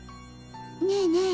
ねえねえ